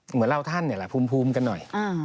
เหมือนเราท่านเนี่ยแหละภูมิกันหน่อย